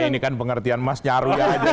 nah ini kan pengertian mas nyaru ya